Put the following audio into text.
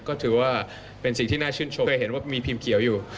ก็ถือว่าเป็นสิ่งที่น่าชื่นชมเคยเห็นว่ามีพิมพ์เขียวอยู่